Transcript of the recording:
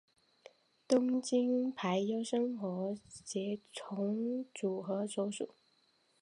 东京俳优生活协同组合所属。